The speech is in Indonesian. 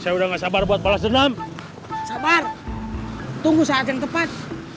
saya udah gak sabar buat balas dendam sabar tunggu saat yang tepat